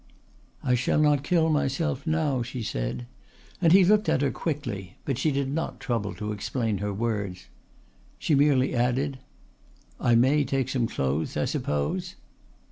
"I shall not kill myself now," she said, and he looked at her quickly, but she did not trouble to explain her words. She merely added: "I may take some clothes, I suppose?"